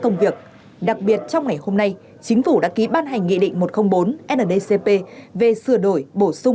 công việc đặc biệt trong ngày hôm nay chính phủ đã ký ban hành nghị định một trăm linh bốn ndcp về sửa đổi bổ sung